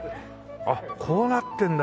あっこうなってんだ